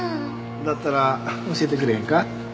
だったら教えてくれへんか？